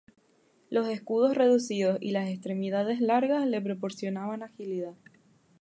Los escudos reducidos y las extremidades largas le proporcionaban agilidad.